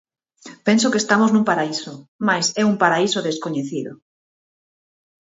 Penso que estamos nun paraíso, mais é un paraíso descoñecido.